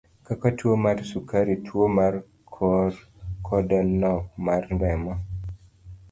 Kaka tuo mar sukari, tuo mar kor koda nok mar remo.